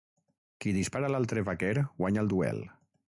Qui dispara l'altre vaquer guanya el duel.